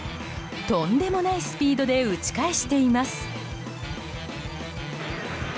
とんでもないスピードで打ち返しています。